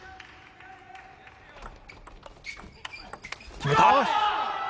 決めた。